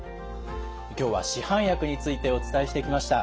今日は市販薬についてお伝えしてきました。